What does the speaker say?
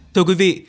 thưa quý vị